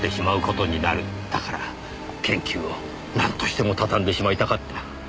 だから研究をなんとしてもたたんでしまいたかった。